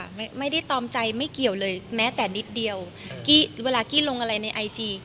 ไม่ได้ตอมใจไม่เกี่ยวเลยแม้แต่นิดเดียวกี้เวลากี้ลงอะไรในไอจี